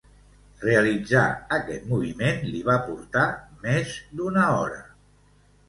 Realitzar aquest moviment li va portar més d'una hora.